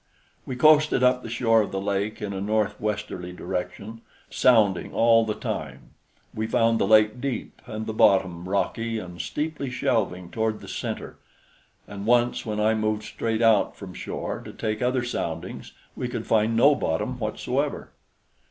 We coasted up the shore of the lake in a north westerly direction, sounding all the time. We found the lake deep and the bottom rocky and steeply shelving toward the center, and once when I moved straight out from shore to take other soundings we could find no bottom whatsoever.